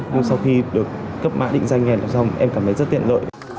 nhưng sau khi được cấp mã định danh này là xong em cảm thấy rất tiện lợi